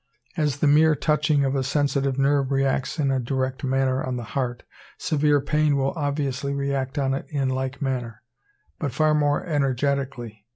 As the mere touching of a sensitive nerve reacts in a direct manner on the heart, severe pain will obviously react on it in like manner, but far more energetically.